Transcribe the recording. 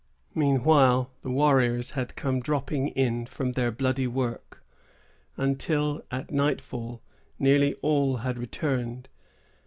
Meantime, the warriors had come dropping in from their bloody work, until, at nightfall, nearly all had returned.